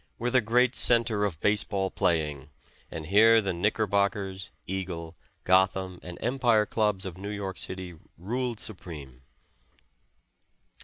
were the great center of base ball playing, and here the Knickerbockers, Eagle, Gotham and Empire Clubs of New York City ruled supreme.